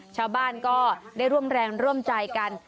ชาวบ้านก็ได้ร่วมแรงร่วมใจกัน